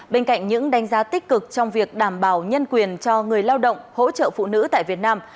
bên cạnh những đánh giá tích cực trong việc đảm bảo nhân quyền cho người lao động hỗ trợ phụ nữ tại việt nam